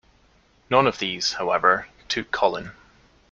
None of these, however, took Colin.